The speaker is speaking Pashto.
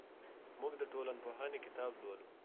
موږ د ټولنپوهنې کتاب لولو.